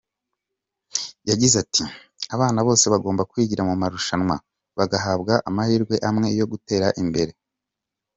Yagize ati "Abana bose bagomba kwigira mu marushanwa bagahabwa amahirwe amwe yo gutera imbere.